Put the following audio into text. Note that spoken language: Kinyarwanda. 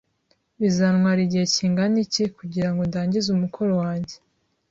Bizantwara igihe kingana iki kugirango ndangize umukoro wanjye?